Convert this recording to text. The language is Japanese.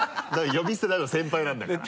呼び捨てダメよ先輩なんだから。